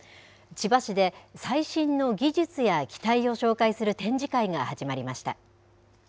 千葉市で最新の技術や機体を紹介する展示会が始まりました。